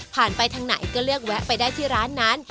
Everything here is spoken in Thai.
ไปทางไหนก็เลือกแวะไปได้ที่ร้านนั้น